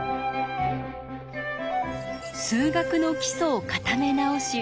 数学の基礎を固め直し